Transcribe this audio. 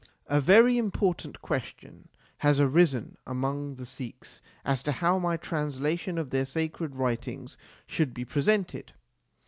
A very important question has arisen among the Sikhs as to how my translation of their sacred writings should be presented.